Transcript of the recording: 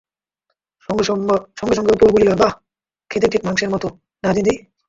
সঙ্গে সঙ্গে অপুও বলিল, বাঃ খেতে ঠিক মাংসের মতো, না দিদি?